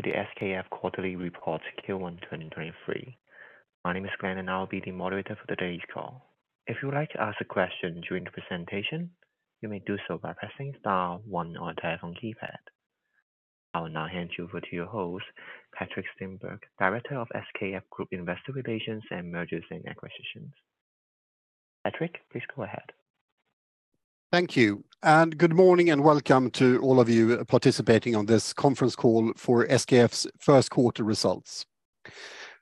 Ladies and gentlemen, welcome to the SKF quarterly report Q1 2023. My name is Glenn, I'll be the moderator for today's call. If you would like to ask a question during the presentation, you may do so by pressing star one on your telephone keypad. I will now hand you over to your host, Patrik Stenberg, Director of SKF Group Investor Relations and Mergers and Acquisitions. Patrik, please go ahead. Thank you. Good morning, and welcome to all of you participating on this conference call for SKF's first quarter results.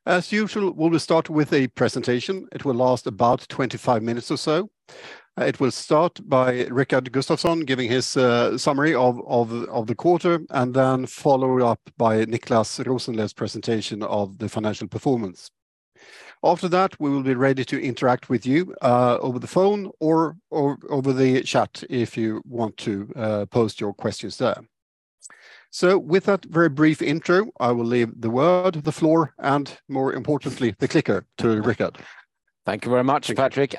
As usual, we will start with a presentation. It will last about 25 minutes or so. It will start by Rickard Gustafson giving his summary of the quarter, and then followed up by Niclas Rosenlew's presentation of the financial performance. After that, we will be ready to interact with you over the phone or over the chat if you want to post your questions there. With that very brief intro, I will leave the word, the floor, and more importantly, the clicker to Rickard. Thank you very much, Patrik.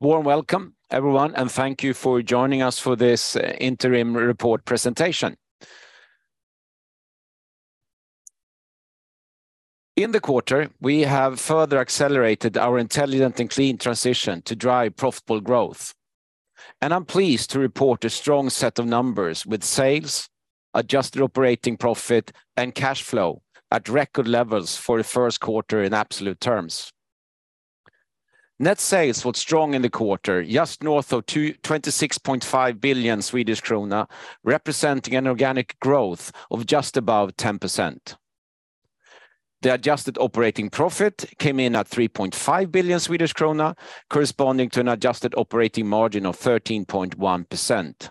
Warm welcome, everyone, and thank you for joining us for this interim report presentation. In the quarter, we have further accelerated our intelligent and clean transition to drive profitable growth. I'm pleased to report a strong set of numbers with sales, adjusted operating profit, and cash flow at record levels for the first quarter in absolute terms. Net sales was strong in the quarter, just north of 26.5 billion Swedish krona, representing an organic growth of just above 10%. The adjusted operating profit came in at 3.5 billion Swedish krona, corresponding to an adjusted operating margin of 13.1%.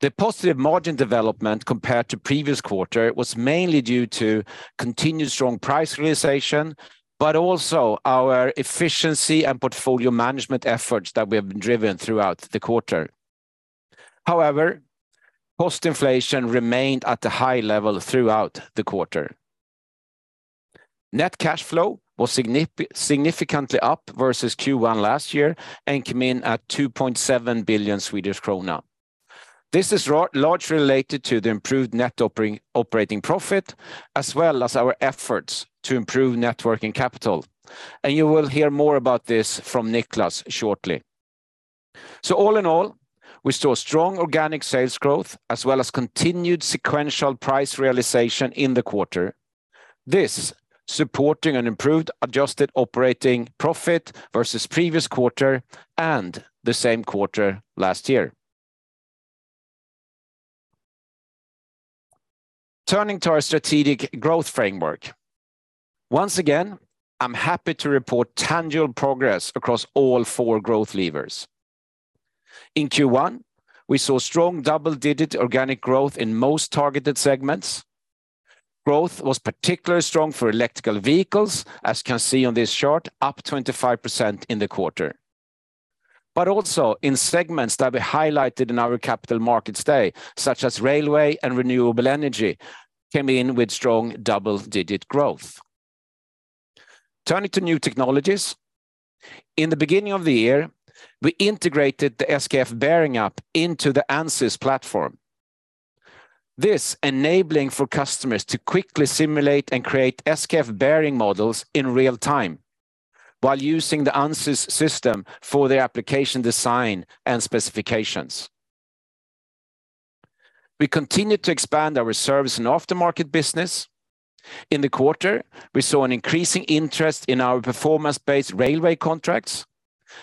The positive margin development compared to previous quarter was mainly due to continued strong price realization, but also our efficiency and portfolio management efforts that we have driven throughout the quarter. Cost inflation remained at a high level throughout the quarter. Net cash flow was significantly up versus Q1 last year and came in at 2.7 billion Swedish krona. This is largely related to the improved net operating profit as well as our efforts to improve net working capital. You will hear more about this from Niclas shortly. All in all, we saw strong organic sales growth as well as continued sequential price realization in the quarter. This supporting an improved adjusted operating profit versus previous quarter and the same quarter last year. Turning to our strategic growth framework. Once again, I'm happy to report tangible progress across all four growth levers. In Q1, we saw strong double-digit organic growth in most targeted segments. Growth was particularly strong for electric vehicles, as you can see on this chart, up 25% in the quarter. Also in segments that we highlighted in our Capital Markets Day, such as railway and renewable energy, came in with strong double-digit growth. Turning to new technologies. In the beginning of the year, we integrated the SKF Bearing App into the Ansys platform. This enabling for customers to quickly simulate and create SKF bearing models in real time while using the Ansys system for the application design and specifications. We continued to expand our service and aftermarket business. In the quarter, we saw an increasing interest in our performance-based railway contracts,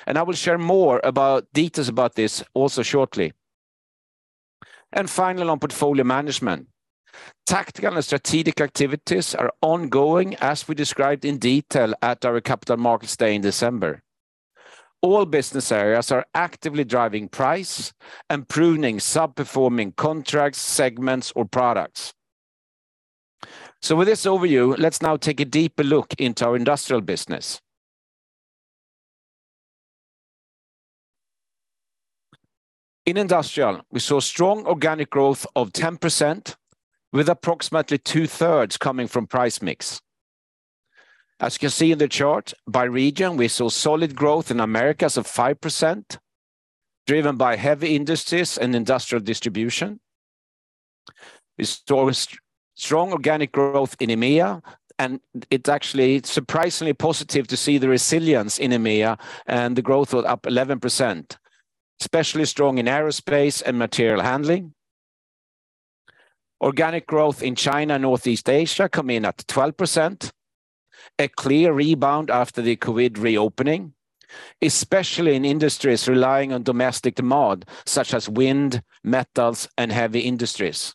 and I will share more about details about this also shortly. Finally, on portfolio management. Tactical and strategic activities are ongoing, as we described in detail at our Capital Markets Day in December. All business areas are actively driving price and pruning sub-performing contracts, segments, or products. With this overview, let's now take a deeper look into our industrial business. In industrial, we saw strong organic growth of 10%, with approximately two-thirds coming from price mix. As you can see in the chart by region, we saw solid growth in Americas of 5%, driven by heavy industries and industrial distribution. We saw strong organic growth in EMEA, and it's actually surprisingly positive to see the resilience in EMEA and the growth was up 11%, especially strong in aerospace and material handling. Organic growth in China, Northeast Asia come in at 12%. A clear rebound after the COVID reopening, especially in industries relying on domestic demand such as wind, metals, and heavy industries.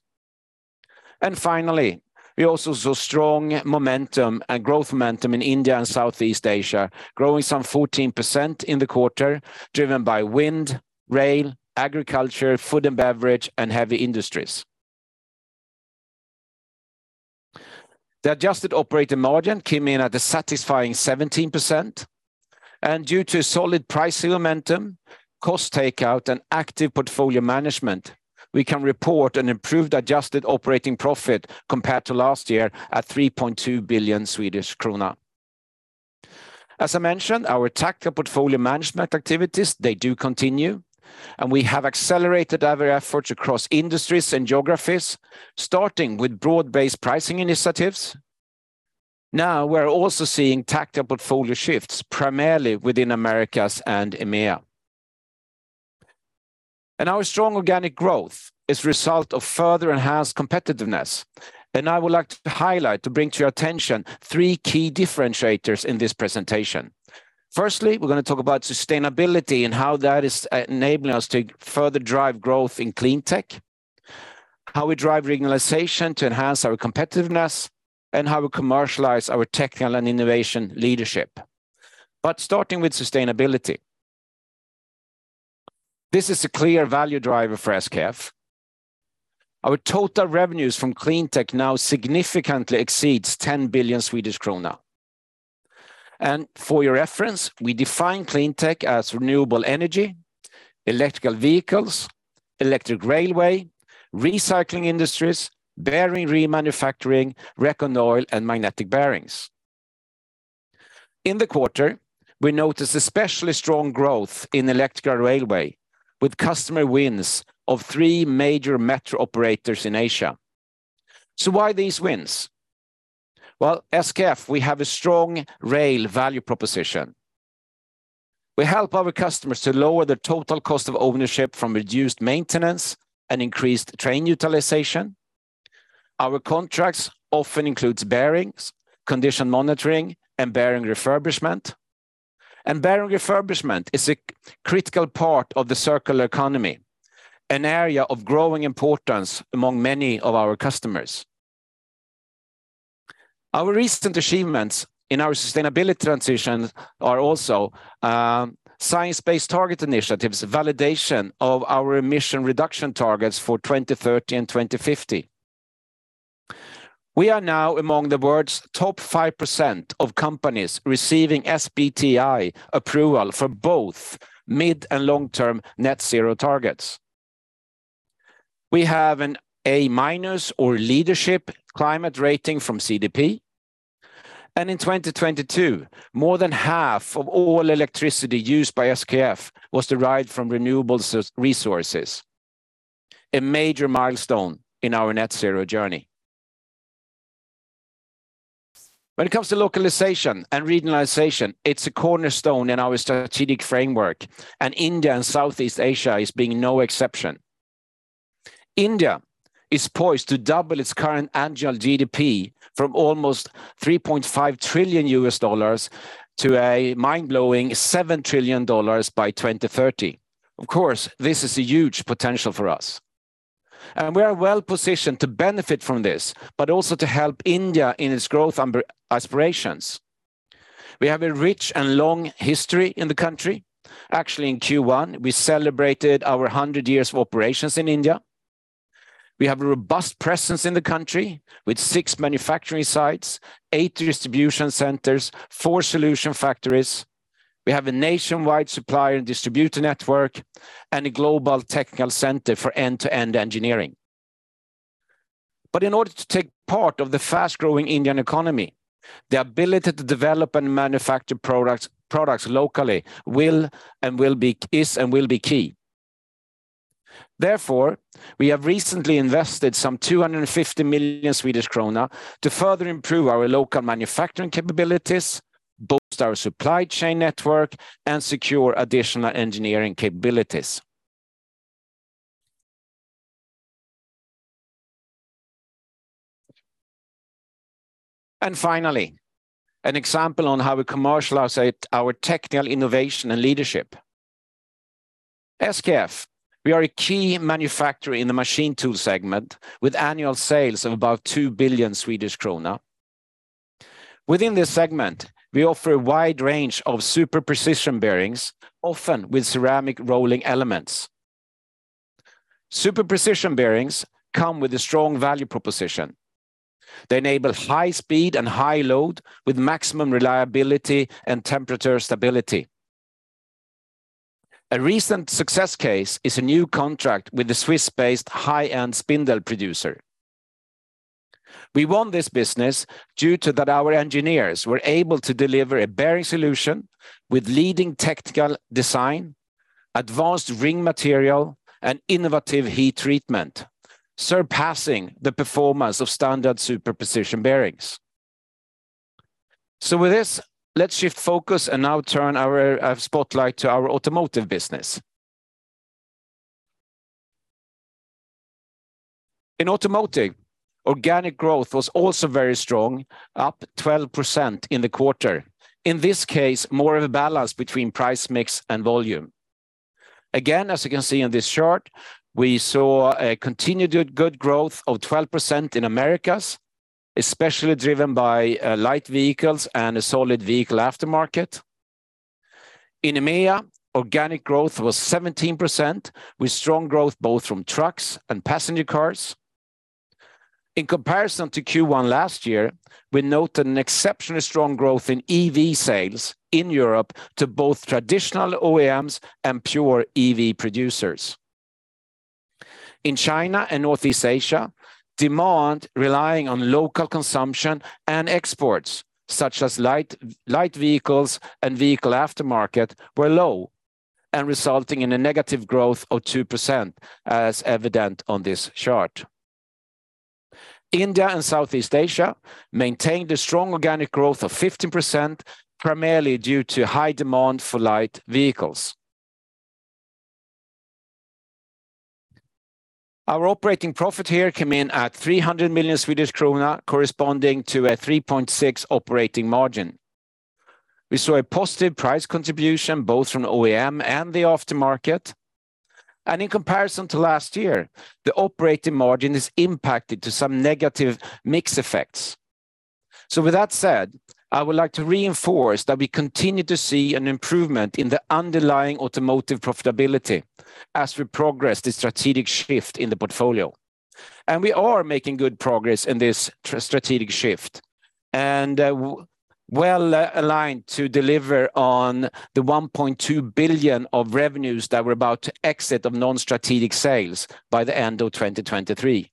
Finally, we also saw strong momentum and growth momentum in India and Southeast Asia, growing some 14% in the quarter, driven by wind, rail, agriculture, food and beverage, and heavy industries. The adjusted operating margin came in at a satisfying 17%. Due to solid pricing momentum, cost takeout, and active portfolio management, we can report an improved adjusted operating profit compared to last year at 3.2 billion Swedish krona. As I mentioned, our tactical portfolio management activities, they do continue, and we have accelerated our efforts across industries and geographies, starting with broad-based pricing initiatives. Now we're also seeing tactical portfolio shifts, primarily within Americas and EMEA. Our strong organic growth is result of further enhanced competitiveness. I would like to highlight, to bring to your attention, three key differentiators in this presentation. Firstly, we're gonna talk about sustainability and how that is enabling us to further drive growth in cleantech, how we drive regionalization to enhance our competitiveness, and how we commercialize our technical and innovation leadership. Starting with sustainability. This is a clear value driver for SKF. Our total revenues from cleantech now significantly exceeds 10 billion Swedish krona. For your reference, we define cleantech as renewable energy, electrical vehicles, electric railway, recycling industries, bearing remanufacturing, recirculating oil, and magnetic bearings. In the quarter, we noticed especially strong growth in electrical railway, with customer wins of three major metro operators in Asia. Why these wins? Well, SKF, we have a strong rail value proposition. We help our customers to lower their total cost of ownership from reduced maintenance and increased train utilization. Our contracts often includes bearings, condition monitoring, and bearing refurbishment. Bearing refurbishment is a critical part of the circular economy, an area of growing importance among many of our customers. Our recent achievements in our sustainability transition are also Science Based Targets initiative validation of our emission reduction targets for 2030 and 2050. We are now among the world's top 5% of companies receiving SBTI approval for both mid- and long-term net zero targets. We have an A-minus or leadership climate rating from CDP. In 2022, more than half of all electricity used by SKF was derived from renewable resources, a major milestone in our net zero journey. When it comes to localization and regionalization, it's a cornerstone in our strategic framework, and India and Southeast Asia is being no exception. India is poised to double its current annual GDP from almost $3.5 trillion to a mind-blowing $7 trillion by 2030. Of course, this is a huge potential for us. We are well-positioned to benefit from this, but also to help India in its growth and aspirations. We have a rich and long history in the country. Actually, in Q1, we celebrated our 100 years of operations in India. We have a robust presence in the country with six manufacturing sites, eight distribution centers, four solution factories. We have a nationwide supplier and distributor network and a global technical center for end-to-end engineering. In order to take part of the fast-growing Indian economy, the ability to develop and manufacture products locally is and will be key. We have recently invested some 250 million Swedish krona to further improve our local manufacturing capabilities, boost our supply chain network, and secure additional engineering capabilities. Finally, an example on how we commercialize our technical innovation and leadership. SKF, we are a key manufacturer in the machine tool segment with annual sales of about 2 billion Swedish krona. Within this segment, we offer a wide range of super-precision bearings, often with ceramic rolling elements. Super-precision bearings come with a strong value proposition. They enable high speed and high load with maximum reliability and temperature stability. A recent success case is a new contract with a Swiss-based high-end spindle producer. We won this business due to that our engineers were able to deliver a bearing solution with leading technical design, advanced ring material, and innovative heat treatment, surpassing the performance of standard super-precision bearings. With this, let's shift focus and now turn our spotlight to our automotive business. In automotive, organic growth was also very strong, up 12% in the quarter, in this case, more of a balance between price mix and volume. Again, as you can see in this chart, we saw a continued good growth of 12% in Americas, especially driven by light vehicles and a solid vehicle aftermarket. In EMEA, organic growth was 17%, with strong growth both from trucks and passenger cars. In comparison to Q1 last year, we note an exceptionally strong growth in EV sales in Europe to both traditional OEMs and pure EV producers. In China and Northeast Asia, demand relying on local consumption and exports, such as light vehicles and vehicle aftermarket were low and resulting in a negative growth of 2%, as evident on this chart. India and Southeast Asia maintained a strong organic growth of 15%, primarily due to high demand for light vehicles. Our operating profit here came in at 300 million Swedish krona, corresponding to a 3.6% operating margin. We saw a positive price contribution both from OEM and the aftermarket. In comparison to last year, the operating margin is impacted to some negative mix effects. With that said, I would like to reinforce that we continue to see an improvement in the underlying automotive profitability as we progress the strategic shift in the portfolio. We are making good progress in this strategic shift, and well aligned to deliver on the 1.2 billion of revenues that we're about to exit of non-strategic sales by the end of 2023.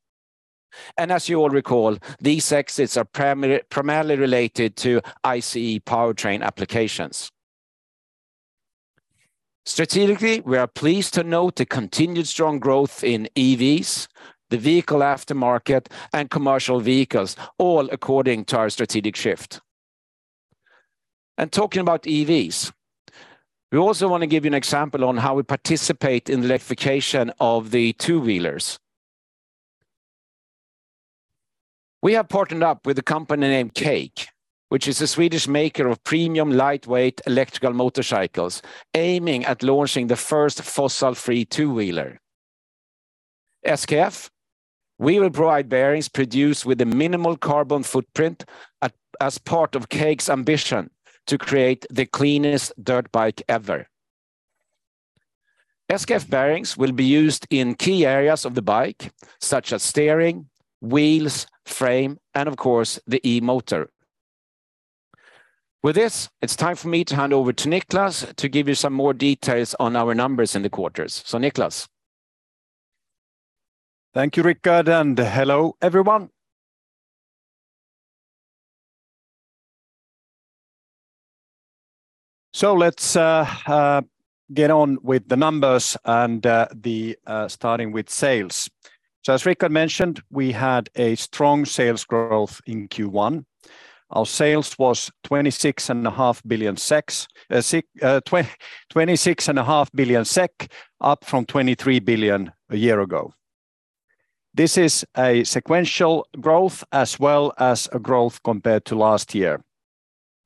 As you all recall, these exits are primarily related to ICE powertrain applications. Strategically, we are pleased to note the continued strong growth in EVs, the vehicle aftermarket, and commercial vehicles, all according to our strategic shift. Talking about EVs, we also wanna give you an example on how we participate in the electrification of the two-wheelers. We have partnered up with a company named CAKE, which is a Swedish maker of premium lightweight electrical motorcycles, aiming at launching the first fossil-free two-wheeler. SKF, we will provide bearings produced with a minimal carbon footprint as part of CAKE's ambition to create the cleanest dirt bike ever. SKF bearings will be used in key areas of the bike, such as steering, wheels, frame, and of course, the e-motor. With this, it's time for me to hand over to Niclas to give you some more details on our numbers in the quarters. Niclas. Thank you, Rickard, and hello, everyone. Let's get on with the numbers and the starting with sales. As Rickard mentioned, we had a strong sales growth in Q1. Our sales was 26 and a half billion SEK, up from 23 billion SEK a year ago. This is a sequential growth as well as a growth compared to last year,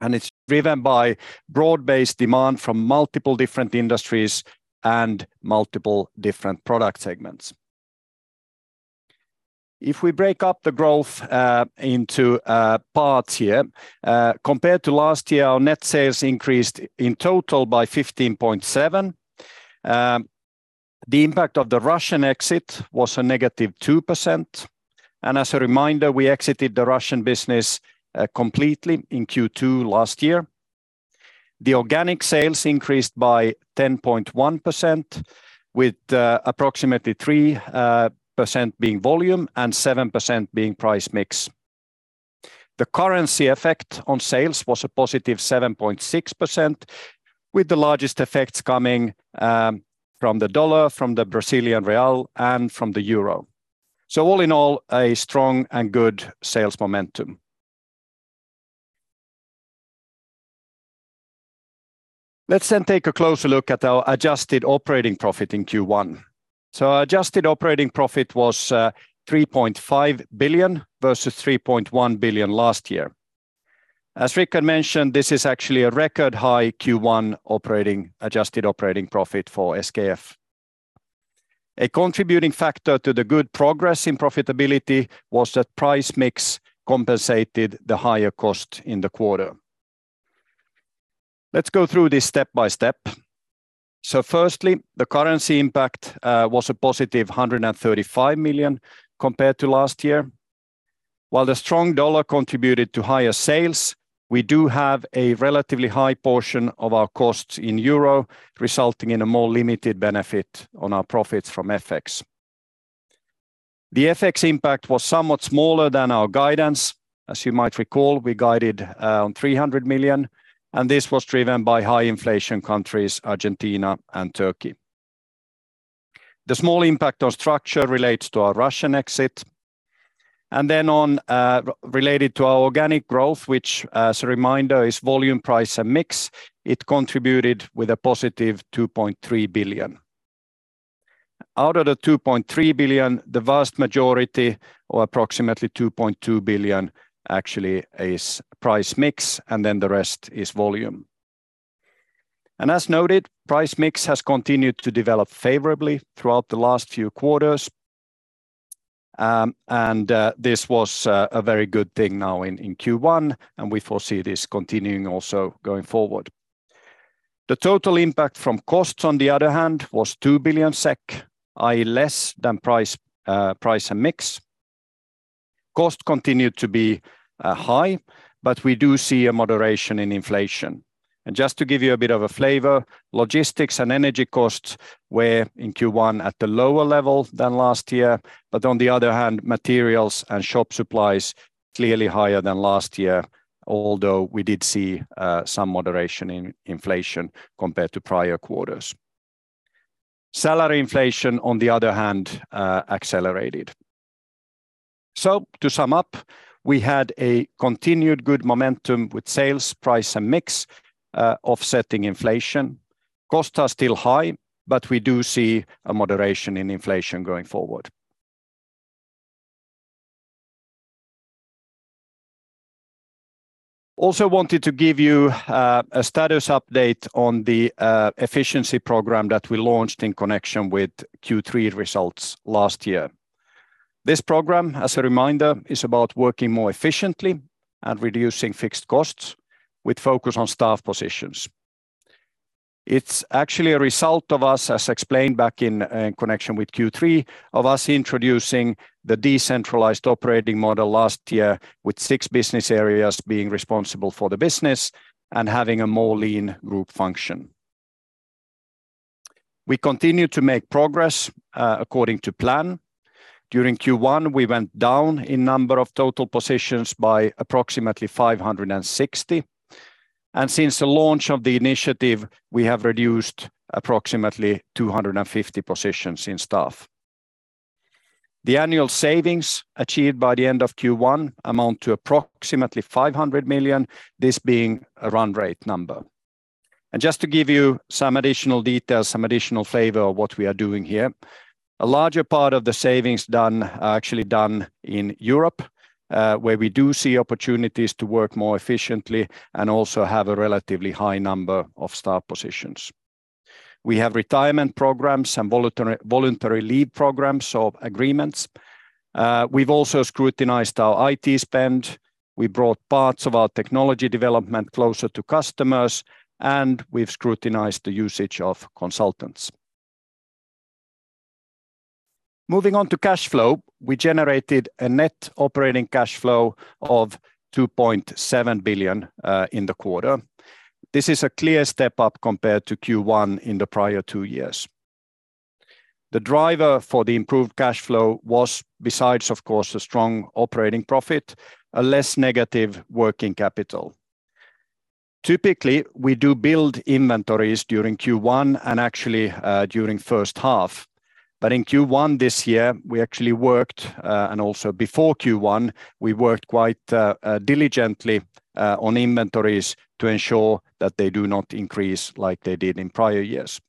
and it's driven by broad-based demand from multiple different industries and multiple different product segments. If we break up the growth into parts here, compared to last year, our net sales increased in total by 15.7%. The impact of the Russian exit was a -2%. As a reminder, we exited the Russian business completely in Q2 last year. The organic sales increased by 10.1% with approximately 3% being volume and 7% being price mix. The currency effect on sales was a positive 7.6%, with the largest effects coming from the dollar, from the Brazilian real, and from the euro. All in all, a strong and good sales momentum. Take a closer look at our adjusted operating profit in Q1. Adjusted operating profit was 3.5 billion versus 3.1 billion last year. As Rickard mentioned, this is actually a record high Q1 adjusted operating profit for SKF. A contributing factor to the good progress in profitability was that price mix compensated the higher cost in the quarter. Let's go through this step by step. Firstly, the currency impact was a positive 135 million compared to last year. While the strong dollar contributed to higher sales, we do have a relatively high portion of our costs in EUR, resulting in a more limited benefit on our profits from FX. The FX impact was somewhat smaller than our guidance. As you might recall, we guided on 300 million, and this was driven by high inflation countries, Argentina and Turkey. The small impact on structure relates to our Russian exit. Then on, related to our organic growth, which as a reminder is volume, price, and mix, it contributed with a positive 2.3 billion. Out of the 2.3 billion, the vast majority or approximately 2.2 billion actually is price mix, and then the rest is volume. As noted, price mix has continued to develop favorably throughout the last few quarters, and this was a very good thing now in Q1, and we foresee this continuing also going forward. The total impact from costs on the other hand was 2 billion SEK, i.e. less than price and mix. Cost continued to be high, but we do see a moderation in inflation. Just to give you a bit of a flavor, logistics and energy costs were in Q1 at the lower level than last year. On the other hand, materials and shop supplies clearly higher than last year, although we did see some moderation in inflation compared to prior quarters. Salary inflation, on the other hand, accelerated. To sum up, we had a continued good momentum with sales price and mix, offsetting inflation. Costs are still high, but we do see a moderation in inflation going forward. Also wanted to give you a status update on the efficiency program that we launched in connection with Q3 results last year. This program, as a reminder, is about working more efficiently and reducing fixed costs with focus on staff positions. It's actually a result of us, as explained back in connection with Q3, of us introducing the decentralized operating model last year with six business areas being responsible for the business and having a more lean group function. We continue to make progress according to plan. During Q1, we went down in number of total positions by approximately 560. Since the launch of the initiative, we have reduced approximately 250 positions in staff. The annual savings achieved by the end of Q1 amount to approximately 500 million, this being a run rate number. Just to give you some additional details, some additional flavor of what we are doing here. A larger part of the savings done are actually done in Europe, where we do see opportunities to work more efficiently and also have a relatively high number of staff positions. We have retirement programs and voluntary leave programs or agreements. We've also scrutinized our IT spend. We brought parts of our technology development closer to customers, and we've scrutinized the usage of consultants. Moving on to cash flow. We generated a net operating cash flow of 2.7 billion in the quarter. This is a clear step up compared to Q1 in the prior two years. The driver for the improved cash flow was, besides, of course, a strong operating profit, a less negative working capital. Typically, we do build inventories during Q1 and actually, during first half. In Q1 this year, we actually worked, and also before Q1, we worked quite diligently on inventories to ensure that they do not increase like they did in prior years.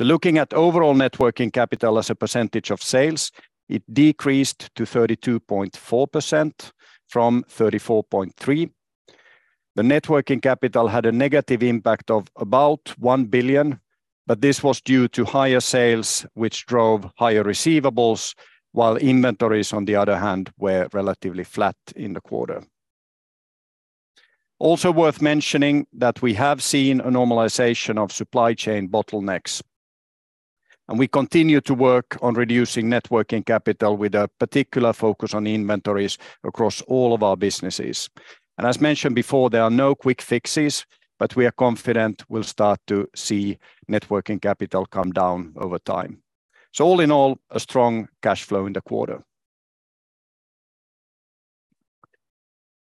Looking at overall net working capital as a percentage of sales, it decreased to 32.4% from 34.3%. The net working capital had a negative impact of about 1 billion, but this was due to higher sales, which drove higher receivables, while inventories, on the other hand, were relatively flat in the quarter. Also worth mentioning that we have seen a normalization of supply chain bottlenecks, and we continue to work on reducing net working capital with a particular focus on inventories across all of our businesses. As mentioned before, there are no quick fixes, but we are confident we'll start to see net working capital come down over time. All in all, a strong cash flow in the quarter.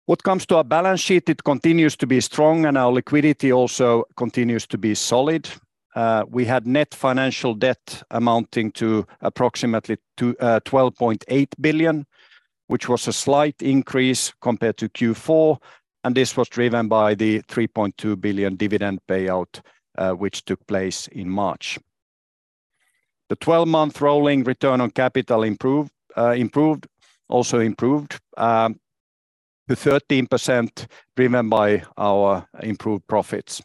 What comes to our balance sheet, it continues to be strong, and our liquidity also continues to be solid. We had net financial debt amounting to approximately 12.8 billion, which was a slight increase compared to Q4, and this was driven by the 3.2 billion dividend payout, which took place in March. The 12-month rolling return on capital improved to 13% driven by our improved profits.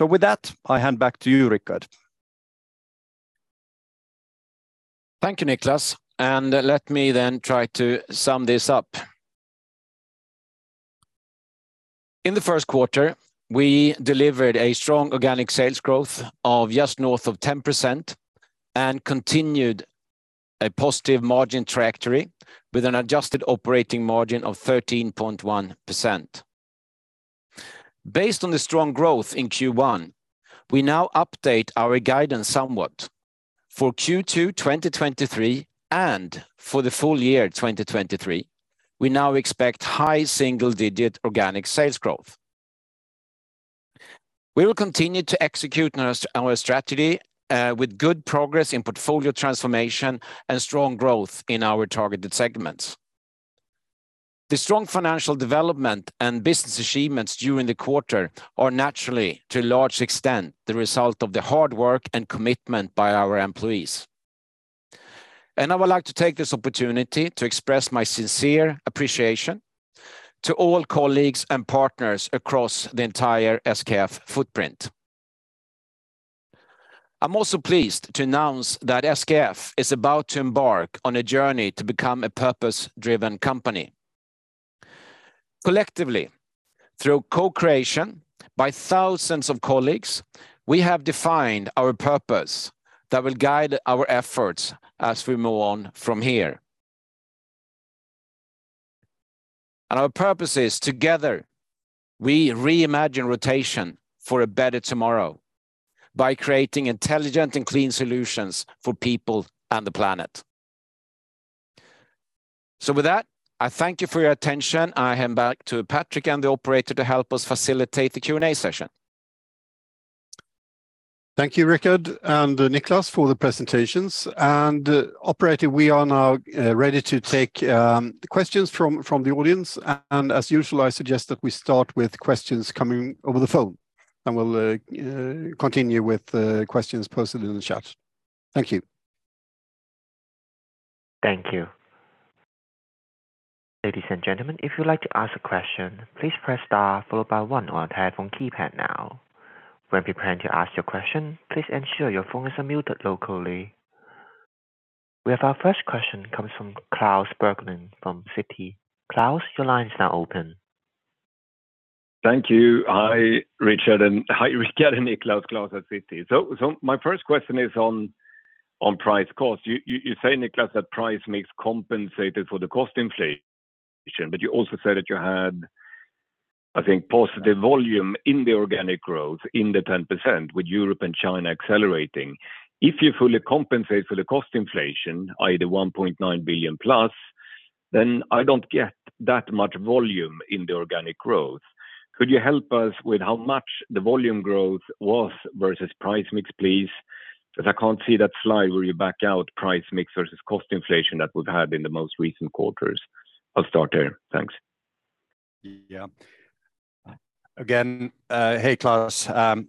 With that, I hand back to you, Rickard. Thank you, Niclas. Let me try to sum this up. In the first quarter, we delivered a strong organic sales growth of just north of 10% and continued a positive margin trajectory with an adjusted operating margin of 13.1%. Based on the strong growth in Q1, we now update our guidance somewhat. For Q2 2023 and for the full year 2023, we now expect high single-digit organic sales growth. We will continue to execute on our strategy with good progress in portfolio transformation and strong growth in our targeted segments. The strong financial development and business achievements during the quarter are naturally, to a large extent, the result of the hard work and commitment by our employees. I would like to take this opportunity to express my sincere appreciation to all colleagues and partners across the entire SKF footprint. I'm also pleased to announce that SKF is about to embark on a journey to become a purpose-driven company. Collectively, through co-creation by thousands of colleagues, we have defined our purpose that will guide our efforts as we move on from here. Our purpose is together we reimagine rotation for a better tomorrow by creating intelligent and clean solutions for people and the planet. With that, I thank you for your attention. I hand back to Patrik and the operator to help us facilitate the Q&A session. Thank you, Rickard and Niclas for the presentations. Operator, we are now ready to take the questions from the audience. As usual, I suggest that we start with questions coming over the phone, and we'll continue with the questions posted in the chat. Thank you. Thank you. Ladies and gentlemen, if you'd like to ask a question, please press star followed by one on your telephone keypad now. When preparing to ask your question, please ensure your phones are muted locally. We have our first question comes from Klas Bergelind from Citi. Klas, your line is now open. Thank you. Hi, Rickard and Niclas. Klas at Citi. My first question is on price cost. You say, Niclas, that price mix compensated for the cost inflation. You also said that you had, I think, positive volume in the organic growth in the 10% with Europe and China accelerating. If you fully compensate for the cost inflation, i.e. the 1.9 billion plus, then I don't get that much volume in the organic growth. Could you help us with how much the volume growth was versus price mix, please? Because I can't see that slide where you back out price mix versus cost inflation that we've had in the most recent quarters. I'll start there. Thanks. Yeah. Again, hey, Klas. I'll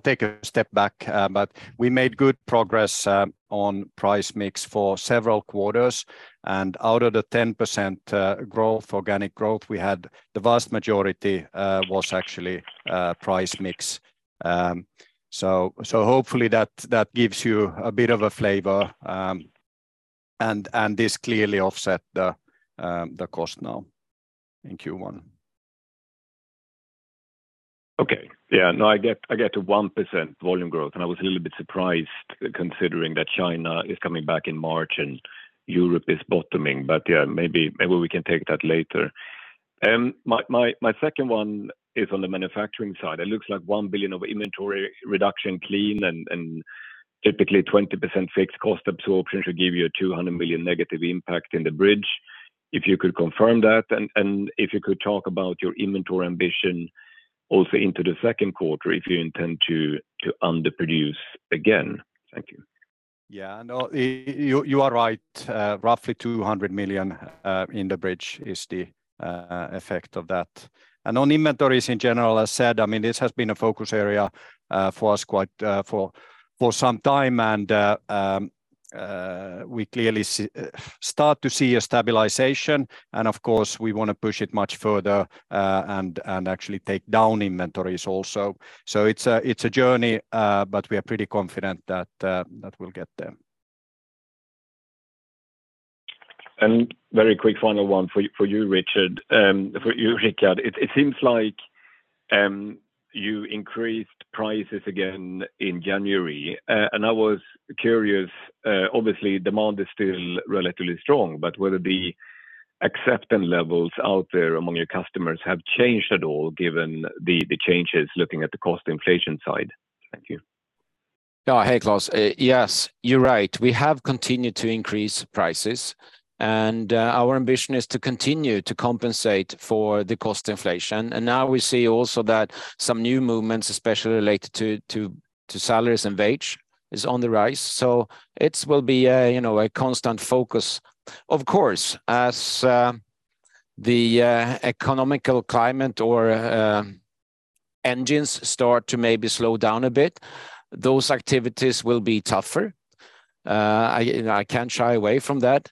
take a step back, but we made good progress on price mix for several quarters. Out of the 10% growth, organic growth, we had the vast majority was actually price mix. Hopefully that gives you a bit of a flavor. This clearly offset the cost now in Q1. I get a 1% volume growth, and I was a little bit surprised considering that China is coming back in March and Europe is bottoming. Maybe, maybe we can take that later. My second one is on the manufacturing side. It looks like 1 billion of inventory reduction clean and typically 20% fixed cost absorption should give you a 200 million negative impact in the bridge. If you could confirm that, and if you could talk about your inventory ambition also into the second quarter, if you intend to underproduce again. Thank you. Yeah. No, you are right. Roughly 200 million in the bridge is the effect of that. On inventories in general, as said, I mean, this has been a focus area for us quite for some time. We clearly start to see a stabilization, and of course, we wanna push it much further and actually take down inventories also. It's a journey, but we are pretty confident that we'll get there. Very quick final one for you, Rickard. For you, Rickard. It seems like you increased prices again in January. I was curious, obviously demand is still relatively strong, but whether the acceptance levels out there among your customers have changed at all given the changes looking at the cost inflation side. Thank you. Hey, Klas. Yes, you're right. We have continued to increase prices, and our ambition is to continue to compensate for the cost inflation. Now we see also that some new movements, especially related to salaries and wage is on the rise. It will be a, you know, a constant focus. Of course, as the economical climate or engines start to maybe slow down a bit, those activities will be tougher. I, you know, I can't shy away from that.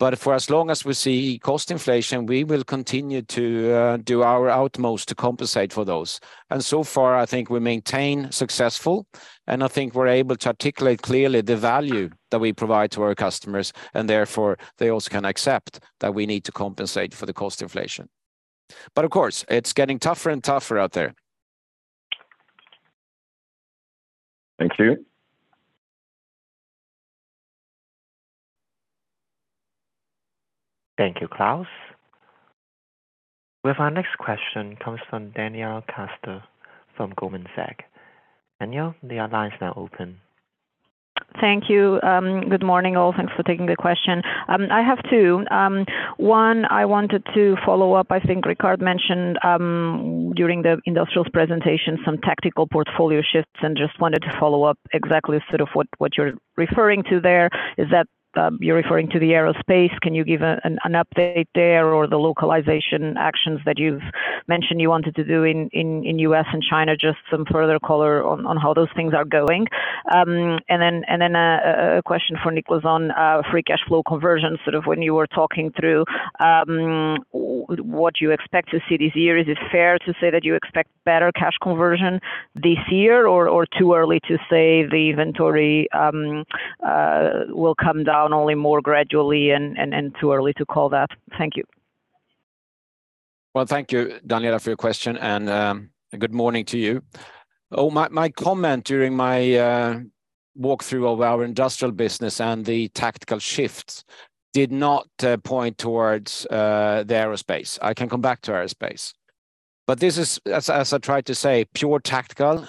For as long as we see cost inflation, we will continue to do our utmost to compensate for those. So far, I think we maintain successful, and I think we're able to articulate clearly the value that we provide to our customers, and therefore they also can accept that we need to compensate for the cost inflation. Of course, it's getting tougher and tougher out there. Thank you. Thank you, Klas. We have our next question comes from Daniela Costa from Goldman Sachs. Daniela, the line's now open. Thank you. Good morning, all. Thanks for taking the question. I have two. One, I wanted to follow up. I think Rickard mentioned during the industrials presentation some tactical portfolio shifts and just wanted to follow up exactly sort of what you're referring to there. Is that, you're referring to the aerospace? Can you give an update there or the localization actions that you've mentioned you wanted to do in U.S. and China? Just some further color on how those things are going. Then a question for Niclas on free cash flow conversion, sort of when you were talking through what you expect to see this year. Is it fair to say that you expect better cash conversion this year or too early to say the inventory will come down only more gradually and too early to call that? Thank you. Well, thank you, Daniela, for your question, and good morning to you. My comment during my walk-through of our industrial business and the tactical shifts did not point towards the aerospace. I can come back to aerospace. This is as I tried to say, pure tactical.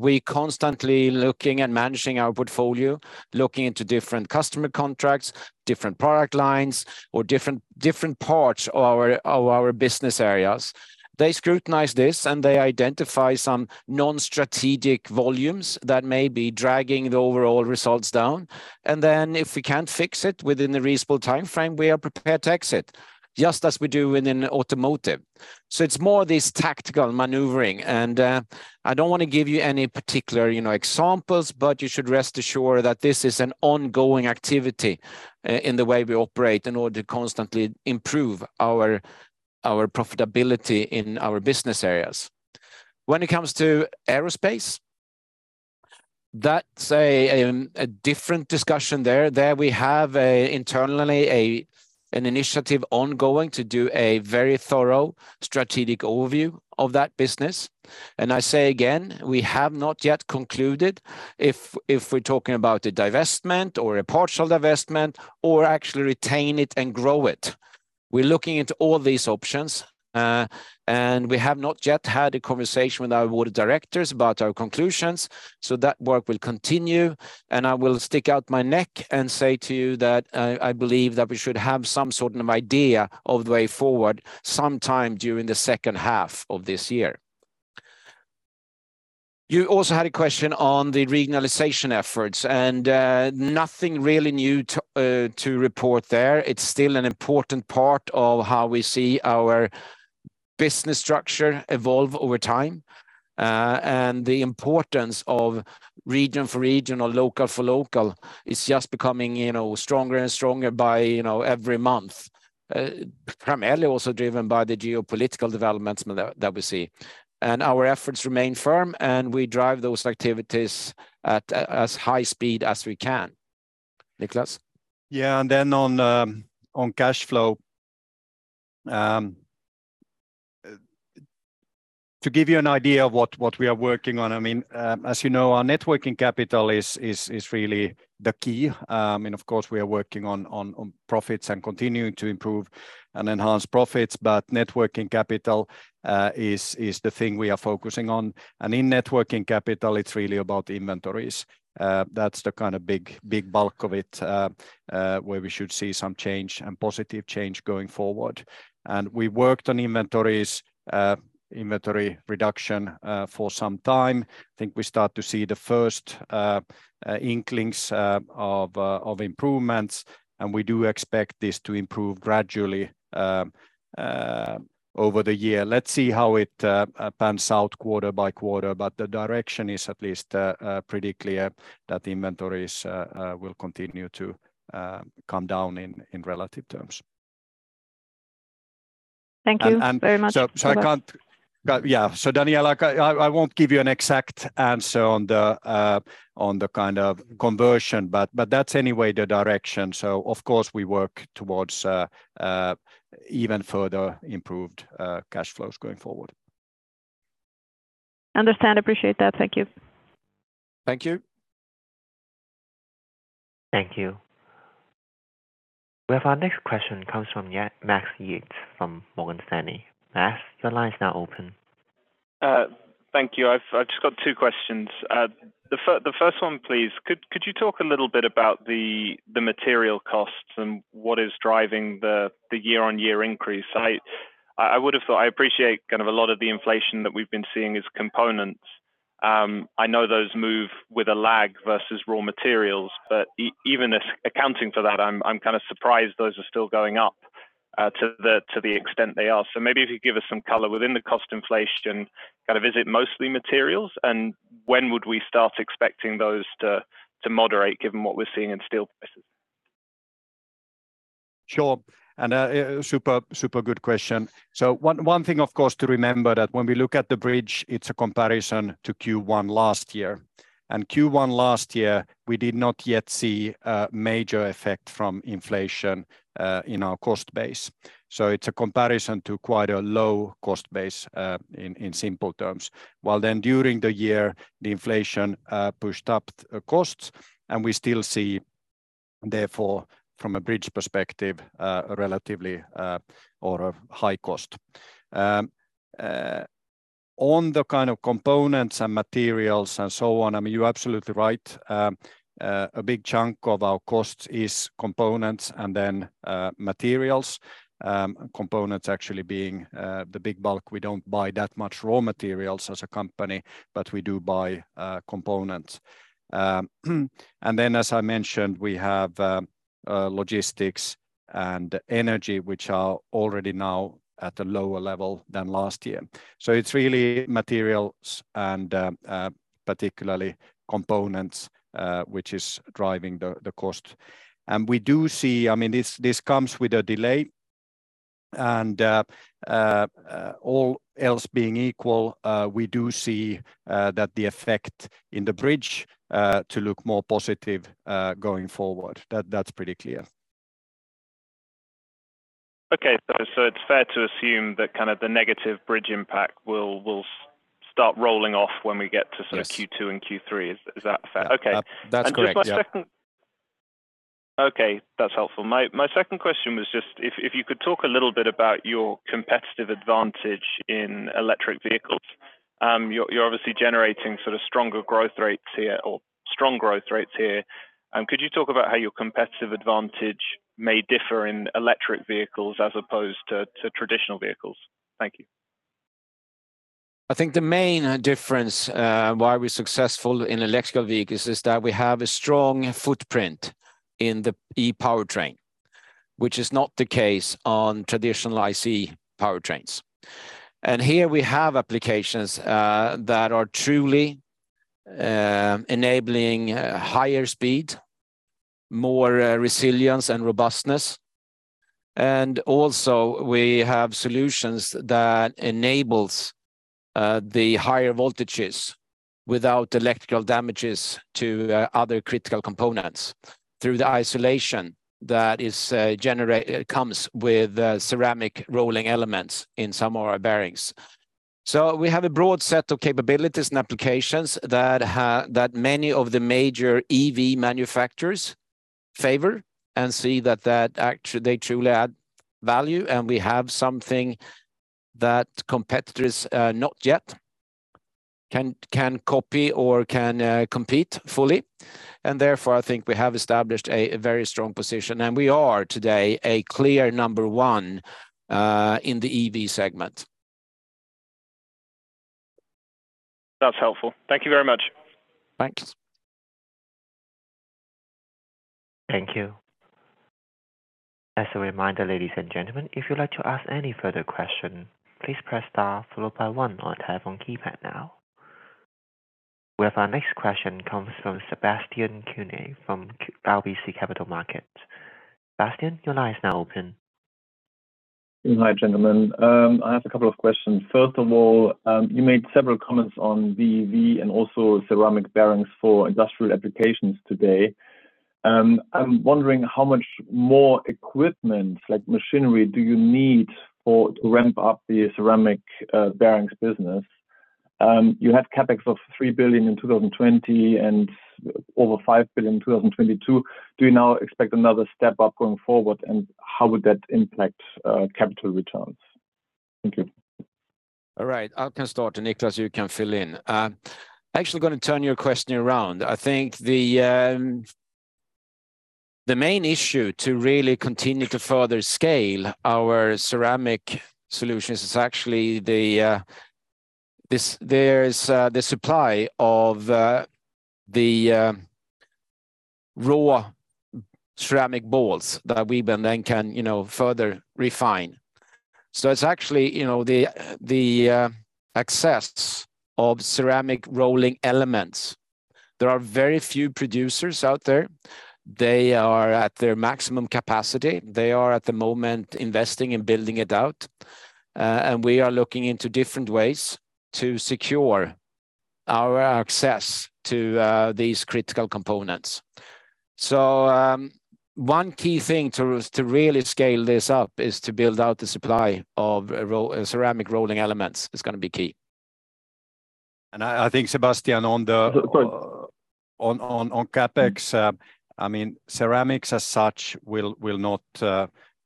We constantly looking at managing our portfolio, looking into different customer contracts, different product lines or different parts of our business areas. They scrutinize this, and they identify some non-strategic volumes that may be dragging the overall results down. If we can't fix it within the reasonable timeframe, we are prepared to exit, just as we do within automotive. It's more this tactical maneuvering and I don't wanna give you any particular, you know, examples, but you should rest assured that this is an ongoing activity in the way we operate in order to constantly improve our profitability in our business areas. When it comes to aerospace, that's a different discussion there. There we have internally an initiative ongoing to do a very thorough strategic overview of that business. I say again, we have not yet concluded if we're talking about a divestment or a partial divestment or actually retain it and grow it. We're looking into all these options, and we have not yet had a conversation with our Board of Directors about our conclusions, so that work will continue. I will stick out my neck and say to you that I believe that we should have some sort of idea of the way forward sometime during the second half of this year. You also had a question on the regionalization efforts, nothing really new to report there. It's still an important part of how we see our business structure evolve over time. The importance of region for region or local for local is just becoming, you know, stronger and stronger by, you know, every month. Primarily also driven by the geopolitical developments that we see. Our efforts remain firm, and we drive those activities at as high speed as we can. Niclas? On cash flow, to give you an idea of what we are working on, as you know, our net working capital is really the key. Of course, we are working on profits and continuing to improve and enhance profits. Net working capital is the thing we are focusing on. In net working capital, it's really about inventories. That's the kind of big bulk of it where we should see some change and positive change going forward. We worked on inventories, inventory reduction for some time. I think we start to see the first inklings of improvements, and we do expect this to improve gradually over the year. Let's see how it pans out quarter by quarter, but the direction is at least pretty clear that inventories will continue to come down in relative terms. Thank you very much. Daniela, I won't give you an exact answer on the kind of conversion, but that's anyway the direction. Of course, we work towards even further improved cash flows going forward. Understand. Appreciate that. Thank you. Thank you. Thank you. We have our next question comes from Max Yates from Morgan Stanley. Max, your line is now open. Thank you. I've just got two questions. The first one, please. Could you talk a little bit about the material costs and what is driving the year-on-year increase? I would have thought I appreciate kind of a lot of the inflation that we've been seeing is components. I know those move with a lag versus raw materials. Even if accounting for that, I'm kinda surprised those are still going up to the extent they are. Maybe if you give us some color within the cost inflation, kind of is it mostly materials, and when would we start expecting those to moderate given what we're seeing in steel prices? Sure. super good question. One thing, of course, to remember that when we look at the bridge, it's a comparison to Q1 last year. Q1 last year, we did not yet see a major effect from inflation in our cost base. It's a comparison to quite a low cost base in simple terms, while then during the year, the inflation pushed up costs. We still see therefore, from a bridge perspective, a relatively or a high cost. On the kind of components and materials and so on, I mean, you're absolutely right. A big chunk of our costs is components and then materials. Components actually being the big bulk. We don't buy that much raw materials as a company, but we do buy components. As I mentioned, we have logistics and energy, which are already now at a lower level than last year. It's really materials and particularly components, which is driving the cost. We do see, I mean, this comes with a delay and all else being equal, we do see that the effect in the bridge to look more positive going forward. That's pretty clear. It's fair to assume that kind of the negative bridge impact will start rolling off when we get sort of Q2 and Q3. Is that fair? Okay. That's correct, yeah. Just my second. Okay, that's helpful. My second question was just if you could talk a little bit about your competitive advantage in electric vehicles. You're obviously generating sort of stronger growth rates here or strong growth rates here. Could you talk about how your competitive advantage may differ in electric vehicles as opposed to traditional vehicles? Thank you. I think the main difference, why we're successful in electrical vehicles is that we have a strong footprint in the e-powertrain, which is not the case on traditional ICE powertrain. Here we have applications that are truly enabling higher speed, more resilience and robustness. Also we have solutions that enables the higher voltages without electrical damages to other critical components through the isolation that comes with ceramic rolling elements in some of our bearings. We have a broad set of capabilities and applications that many of the major EV manufacturers favor and see that actually they truly add value, and we have something that competitors not yet can copy or can compete fully. Therefore, I think we have established a very strong position, and we are today a clear number one in the EV segment. That's helpful. Thank you very much. Thanks. Thank you. As a reminder, ladies and gentlemen, if you'd like to ask any further question, please press star followed by one on telephone keypad now. We have our next question comes from Sebastian Kuenne from RBC Capital Markets. Sebastian, your line is now open. Hi, gentlemen. I have a couple of questions. First of all, you made several comments on the EV and also ceramic bearings for industrial applications today. I'm wondering how much more equipment like machinery do you need to ramp up the ceramic bearings business? You had CapEx of 3 billion in 2020 and over 5 billion in 2022. Do you now expect another step-up going forward, and how would that impact capital returns? Thank you. All right. I can start, and Niclas, you can fill in. actually gonna turn your question around. I think the main issue to really continue to further scale our ceramic solutions is actually the supply of the raw ceramic balls that we then can, you know, further refine. it's actually, you know, the access of ceramic rolling elements. There are very few producers out there. They are at their maximum capacity. They are at the moment investing in building it out. We are looking into different ways to secure our access to these critical components. one key thing to really scale this up is to build out the supply of ceramic rolling elements is gonna be key. I think Sebastian on CapEx, I mean, ceramics as such will not,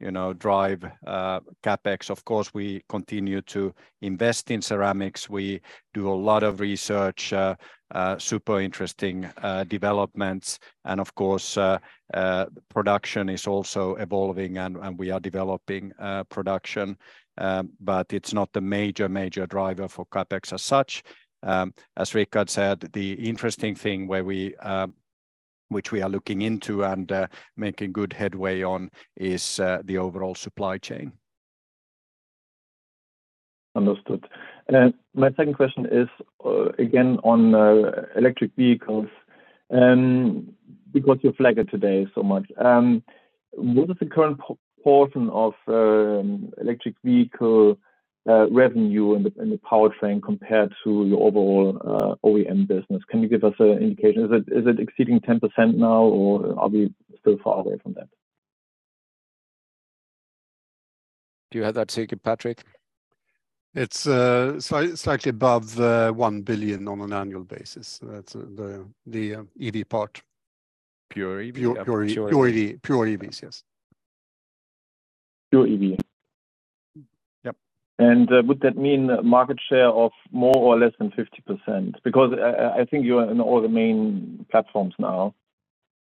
you know, drive CapEx. Of course, we continue to invest in ceramics. We do a lot of research, super interesting developments. Of course, production is also evolving and we are developing production. It's not the major driver for CapEx as such. As Rickard said, the interesting thing where we, which we are looking into and making good headway on is the overall supply chain. Understood. My second question is again on electric vehicles, because you flagged today so much. What is the current portion of electric vehicle revenue in the powertrain compared to your overall OEM business? Can you give us an indication? Is it exceeding 10% now or are we still far away from that? Do you have that figure, Patrik? It's slightly above 1 billion on an annual basis. That's the EV part. Pure EV. Pure, pure EV. Pure EVs, yes. Pure EV. Yep. Would that mean market share of more or less than 50%? I think you're in all the main platforms now,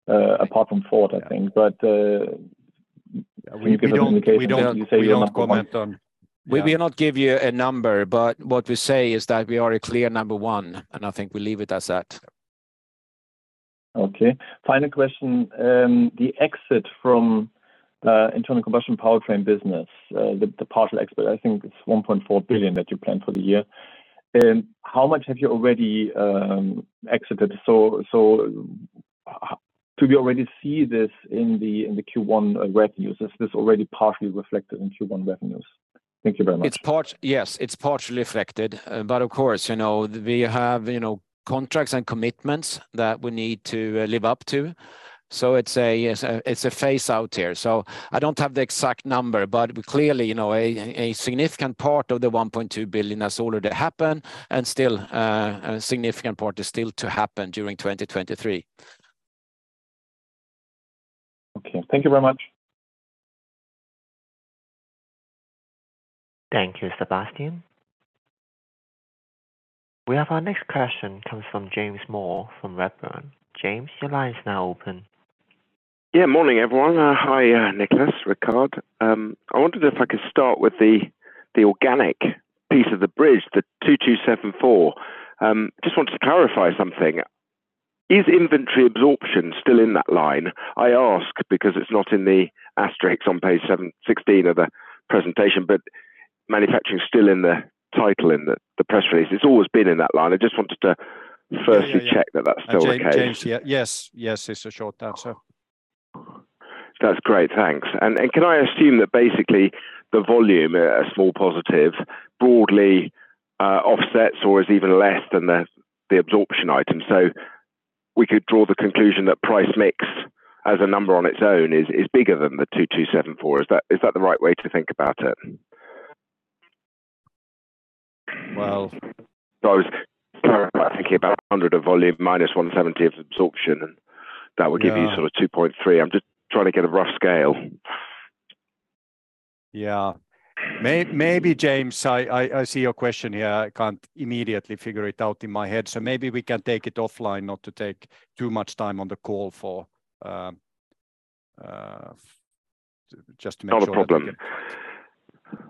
apart from Ford, I think. Can you give an indication? We don't. We will not give you a number, but what we say is that we are a clear number one, and I think we leave it as that. Okay. Final question. The exit from internal combustion powertrain business, the partial exit, I think it's 1.4 billion that you planned for the year. How much have you already exited? Could we already see this in the Q1 revenues? Is this already partially reflected in Q1 revenues? Thank you very much. Yes, it's partially affected. Of course, you know, we have, you know, contracts and commitments that we need to live up to. It's a phase out here. I don't have the exact number, but clearly, you know, a significant part of the 1.2 billion has already happened, and still, a significant part is still to happen during 2023. Okay. Thank you very much. Thank you, Sebastian. We have our next question comes from James Moore from Redburn. James, your line is now open. Morning, everyone. Hi, Niclas, Rickard. I wondered if I could start with the organic piece of the bridge, the 2,274. Just wanted to clarify something. Is inventory absorption still in that line? I ask because it's not in the asterisks on page 7-16 of the presentation, but manufacturing's still in the title in the press release. It's always been in that line. I just wanted to check that that's still the case. James, Yes. Yes, it's a short answer. That's great. Thanks. Can I assume that basically the volume, a small positive, broadly offsets or is even less than the absorption item? We could draw the conclusion that price mix as a number on its own is bigger than 2,274. Is that the right way to think about it? I was thinking about 100 of volume minus 170 of absorption, and that would give you sort of 2.3. I'm just trying to get a rough scale. Yeah. Maybe, James, I see your question here. I can't immediately figure it out in my head, so maybe we can take it offline not to take too much time on the call for, just to make sure that we can. Not a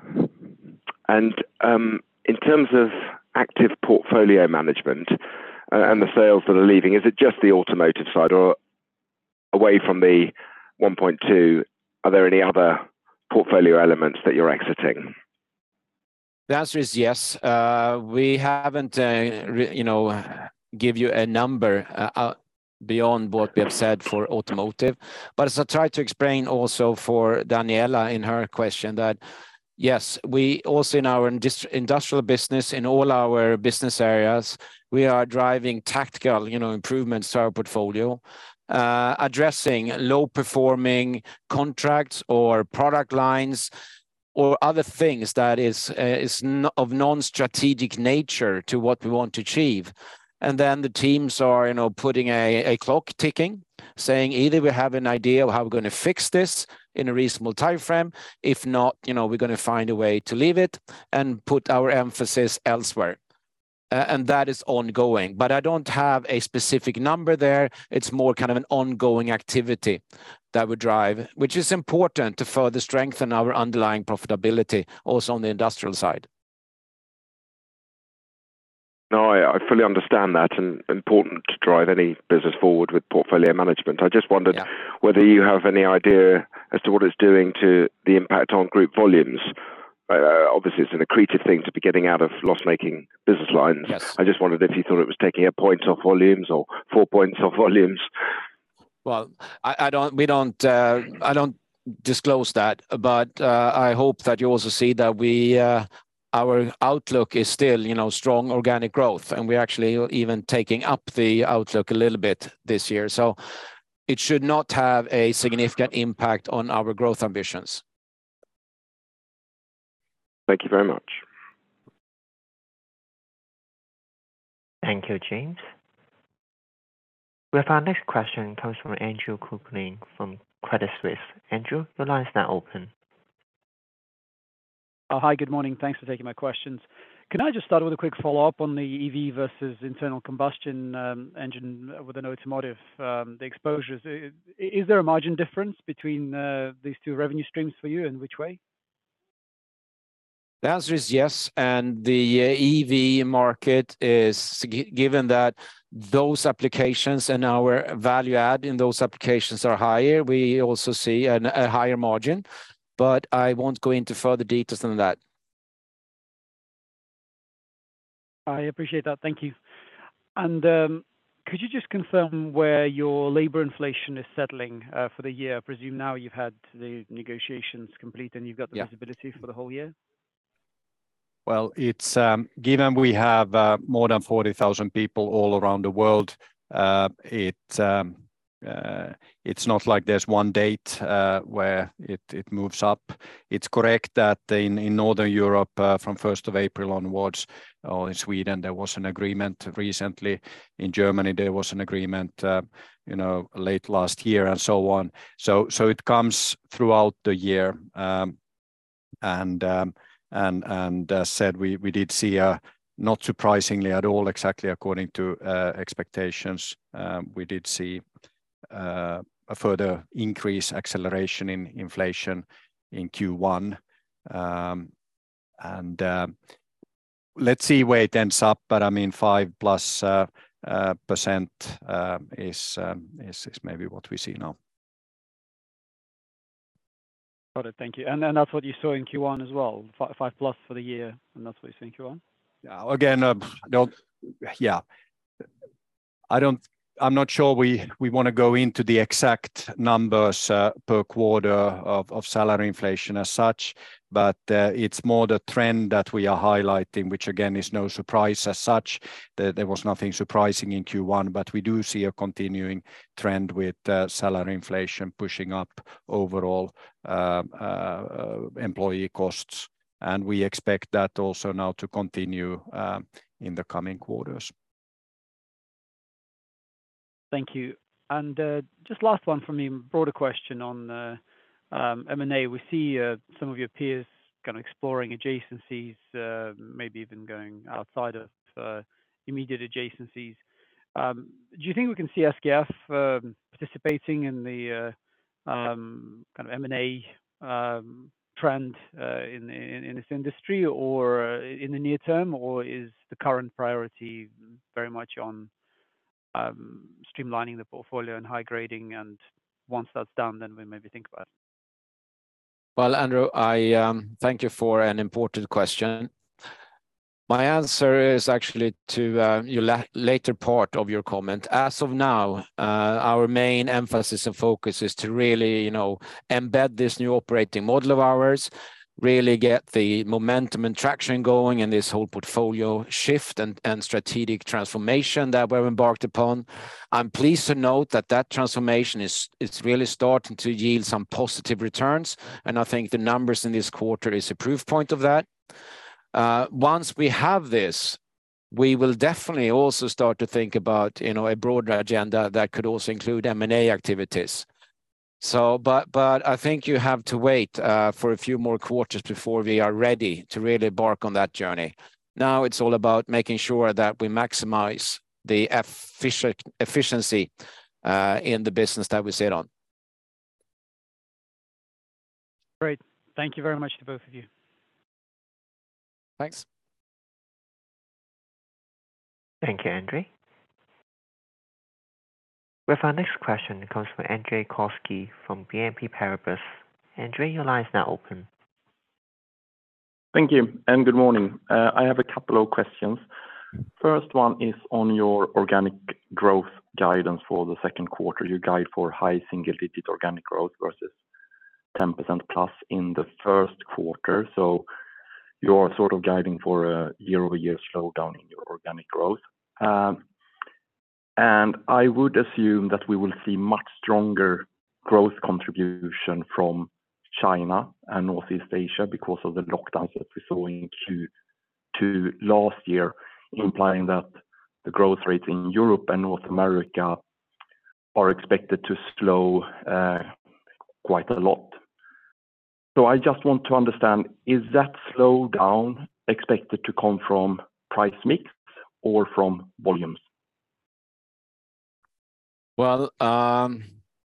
problem. In terms of active portfolio management and the sales that are leaving, is it just the automotive side or away from the 1.2, are there any other portfolio elements that you're exiting? The answer is yes. We haven't, you know, give you a number beyond what we have said for automotive. As I tried to explain also for Daniela in her question that, yes, we also in our industrial business, in all our business areas, we are driving tactical, you know, improvements to our portfolio, addressing low-performing contracts or product lines or other things that is of non-strategic nature to what we want to achieve. Then the teams are, you know, putting a clock ticking, saying, "Either we have an idea of how we're gonna fix this in a reasonable timeframe. If not, you know, we're gonna find a way to leave it and put our emphasis elsewhere." That is ongoing. I don't have a specific number there. It's more kind of an ongoing activity that we drive, which is important to further strengthen our underlying profitability also on the industrial side. No, I fully understand that and important to drive any business forward with portfolio management whether you have any idea as to what it's doing to the impact on group volumes. Obviously, it's an accretive thing to be getting out of loss-making business lines. I just wondered if you thought it was taking a point off volumes or four points off volumes. I don't disclose that, but I hope that you also see that we, our outlook is still, you know, strong organic growth, and we're actually even taking up the outlook a little bit this year. It should not have a significant impact on our growth ambitions. Thank you very much. Thank you, James. We have our next question comes from Andrew Kuske from Credit Suisse. Andrew, your line is now open. Hi. Good morning. Thanks for taking my questions. Can I just start with a quick follow-up on the EV versus internal combustion engine within automotive, the exposures? Is there a margin difference between these two revenue streams for you, and which way? The answer is yes. The EV market is given that those applications and our value add in those applications are higher, we also see a higher margin. I won't go into further details than that. I appreciate that. Thank you. Could you just confirm where your labor inflation is settling, for the year? I presume now you've had the negotiations complete the visibility for the whole year. Well, it's given we have more than 40,000 people all around the world, it's not like there's one date where it moves up. It's correct that in Northern Europe, from 1 April onwards, or in Sweden, there was an agreement recently. In Germany, there was an agreement, you know, late last year and so on. It comes throughout the year. As said, we did see a, not surprisingly at all, exactly according to expectations, we did see a further increase acceleration in inflation in Q1. Let's see where it ends up, but I mean, 5+% is maybe what we see now. Got it. Thank you. That's what you saw in Q1 as well, 5+ for the year, and that's what you see in Q1? Yeah. Again, I don't. Yeah. I'm not sure we wanna go into the exact numbers per quarter of salary inflation as such, but it's more the trend that we are highlighting, which again, is no surprise as such. There was nothing surprising in Q1, but we do see a continuing trend with salary inflation pushing up overall employee costs. We expect that also now to continue in the coming quarters. Thank you. Just last one from me. Broader question on M&A. We see some of your peers kind of exploring adjacencies, maybe even going outside of immediate adjacencies. Do you think we can see SKF participating in the kind of M&A trend in this industry or in the near term? Or is the current priority very much on streamlining the portfolio and high grading, and once that's done, then we maybe think about it? Andrew, I thank you for an important question. My answer is actually to your later part of your comment. As of now, our main emphasis and focus is to really, you know, embed this new operating model of ours, really get the momentum and traction going in this whole portfolio shift and strategic transformation that we've embarked upon. I'm pleased to note that that transformation it's really starting to yield some positive returns, and I think the numbers in this quarter is a proof point of that. Once we have this, we will definitely also start to think about, you know, a broader agenda that could also include M&A activities. But I think you have to wait for a few more quarters before we are ready to really embark on that journey. it's all about making sure that we maximize the efficiency in the business that we sit on. Great. Thank you very much to both of you. Thanks. Thank you, Andrew. With our next question comes from Andreas Koski from BNP Paribas. Andreas, your line is now open. Thank you, and good morning. I have a couple of questions. First one is on your organic growth guidance for the second quarter. You guide for high single-digit organic growth versus 10%+ in the first quarter. You're sort of guiding for a year-over-year slowdown in your organic growth. And I would assume that we will see much stronger growth contribution from China and Northeast Asia because of the lockdowns that we saw in Q2 last year, implying that the growth rates in Europe and North America are expected to slow quite a lot. I just want to understand, is that slowdown expected to come from price mix or from volumes? Well,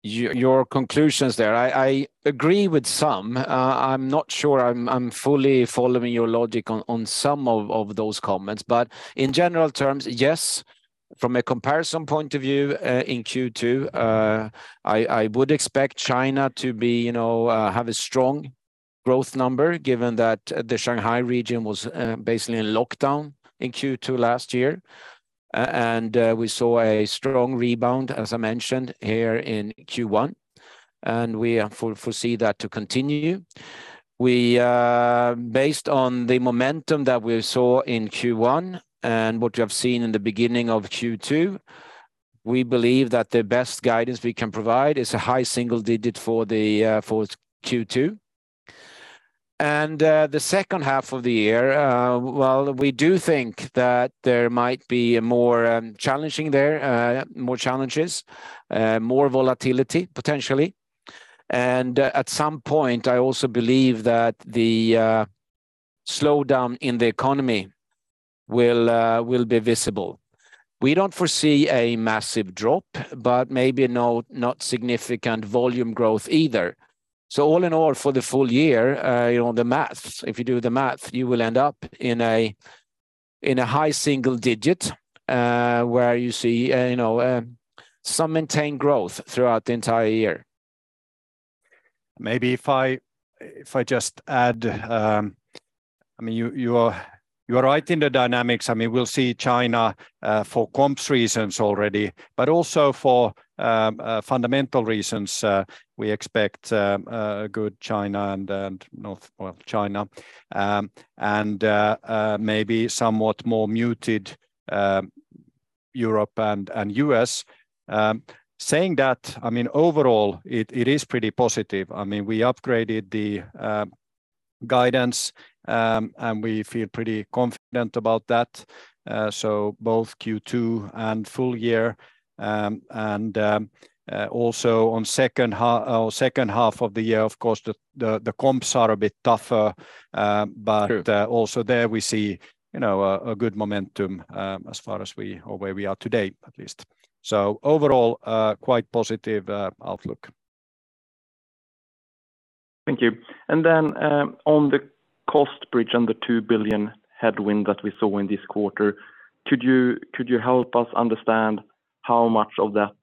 your conclusions there. I agree with some. I'm not sure I'm fully following your logic on some of those comments. In general terms, yes, from a comparison point of view, in Q2, I would expect China to be, you know, have a strong growth number, given that the Shanghai region was basically in lockdown in Q2 last year. We saw a strong rebound, as I mentioned, here in Q1, and we foresee that to continue. We, based on the momentum that we saw in Q1 and what we have seen in the beginning of Q2, we believe that the best guidance we can provide is a high single digit for the for Q2. The second half of the year, well, we do think that there might be more challenging there, more challenges, more volatility, potentially. At some point, I also believe that the slowdown in the economy will be visible. We don't foresee a massive drop, but maybe not significant volume growth either. All in all, for the full year, you know, the math, if you do the math, you will end up in a high single digit, where you see, you know, some maintained growth throughout the entire year. Maybe if I just add, I mean, you are right in the dynamics. I mean, we'll see China for comps reasons already, but also for fundamental reasons, we expect a good China. Well, China, and maybe somewhat more muted Europe and U.S. Saying that, I mean, overall it is pretty positive. I mean, we upgraded the guidance, and we feel pretty confident about that. So both Q2 and full year, and also on second half of the year, of course, the comps are a bit tougher. But also there we see, you know, a good momentum, where we are today, at least. Overall, quite positive outlook. Thank you. Then, on the cost bridge and the 2 billion headwind that we saw in this quarter, could you help us understand how much of that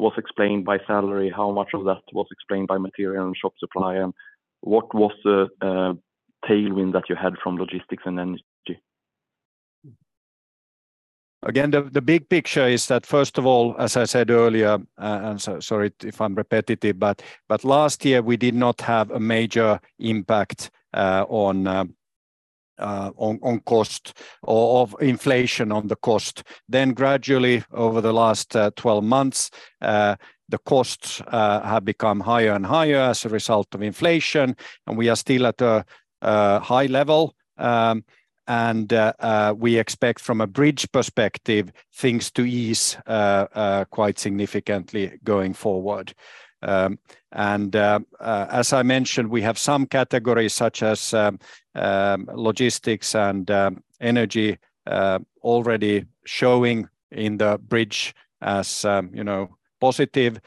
was explained by salary? How much of that was explained by material and shop supply? What was the tailwind that you had from logistics and energy. The big picture is that first of all, as I said earlier, sorry if I'm repetitive, but last year we did not have a major impact on cost or of inflation on the cost. Gradually over the last 12 months, the costs have become higher and higher as a result of inflation. We are still at a high level. We expect from a bridge perspective things to ease quite significantly going forward. As I mentioned, we have some categories such as logistics and energy already showing in the bridge as, you know, positive.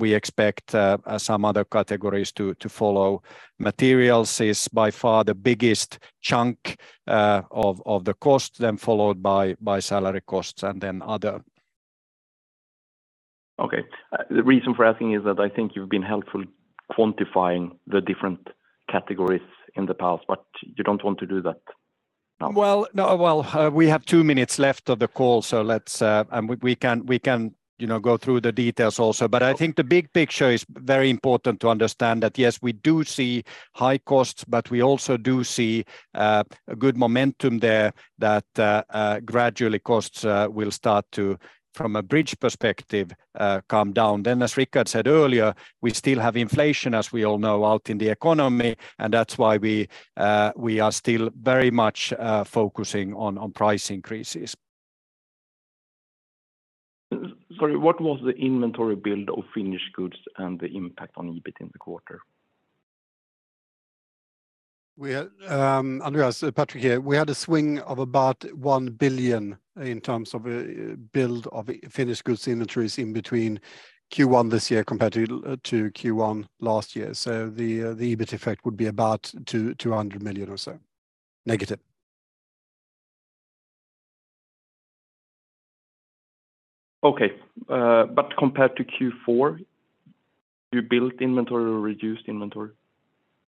We expect some other categories to follow. Materials is by far the biggest chunk, of the cost, then followed by salary costs and then other. Okay. The reason for asking is that I think you've been helpful quantifying the different categories in the past, but you don't want to do that now. Well, no. Well, we have two minutes left of the call, so let's we can, you know, go through the details also. I think the big picture is very important to understand that, yes, we do see high costs, but we also do see a good momentum there that gradually costs will start to, from a bridge perspective, come down. As Rickard said earlier, we still have inflation, as we all know, out in the economy, and that's why we are still very much focusing on price increases. Sorry, what was the inventory build of finished goods and the impact on EBIT in the quarter? We had Andreas, Patrik here. We had a swing of about 1 billion in terms of build of finished goods inventories in between Q1 this year compared to Q1 last year. The EBIT effect would be about 200 million or so negative. Okay. Compared to Q4, you built inventory or reduced inventory?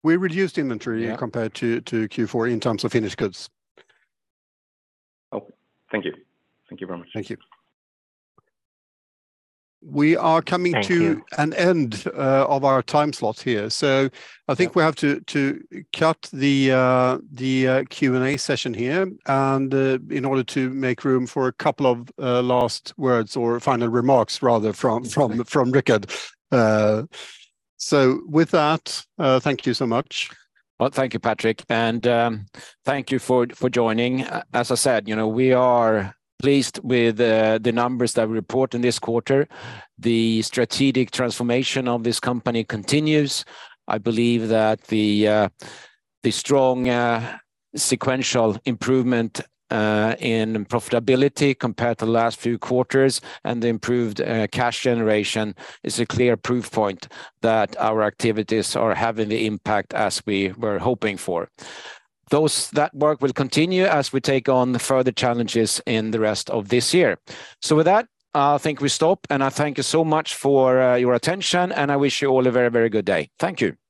We reduced inventory compared to Q4 in terms of finished goods. Oh, thank you. Thank you very much. Thank you. We are coming to. an end of our time slot here. I think we have to cut the Q&A session here and in order to make room for a couple of last words or final remarks rather from Rickard. With that, thank you so much. Well, thank you, Patrik, and thank you for joining. As I said, you know, we are pleased with the numbers that we report in this quarter. The strategic transformation of this company continues. I believe that the strong sequential improvement in profitability compared to last few quarters and the improved cash generation is a clear proof point that our activities are having the impact as we were hoping for. That work will continue as we take on further challenges in the rest of this year. With that, I think we stop, and I thank you so much for your attention, and I wish you all a very, very good day. Thank you.